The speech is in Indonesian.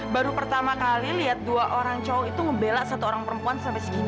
baru pertama kali lihat dua orang cowok itu ngebela satu orang perempuan sampai segini